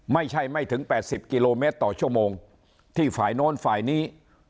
ไม่ใช่ไม่ถึงแปดสิบกิโลเมตรต่อชั่วโมงที่ฝ่ายโน้นฝ่ายนี้